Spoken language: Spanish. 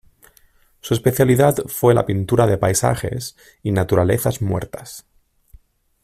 Su especialidad fue la pintura de paisajes y naturalezas muertas.